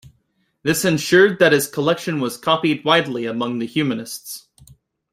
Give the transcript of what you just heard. This ensured that his collection was copied widely among the humanists.